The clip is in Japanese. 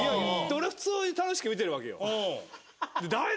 俺は普通に楽しく見てるわけよ。